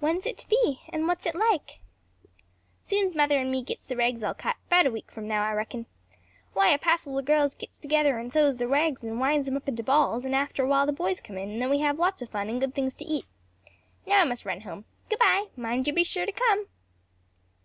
"When is it to be? and what is it like?" "Soon's mother and me gits the rags all cut; 'bout a week from now, I reckon. Why a passel o' girls gits together and sews the rags and winds 'em up into balls, and after awhile the boys come in and then we have lots o' fun and good things to eat. Now I must run home. Good bye, mind you're to be sure to come."